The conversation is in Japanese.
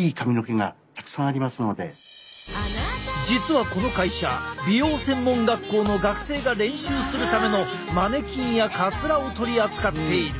実はこの会社美容専門学校の学生が練習するためのマネキンやかつらを取り扱っている。